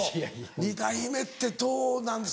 ２代目ってどうなんです？